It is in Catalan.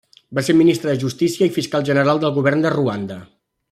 Va ser ministre de Justícia i Fiscal General del Govern de Ruanda.